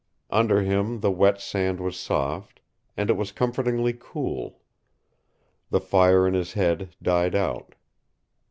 Under him the wet sand was soft, and it was comfortingly cool. The fire in his head died out.